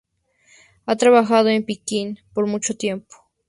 Ha trabajado en Pekín por mucho tiempo.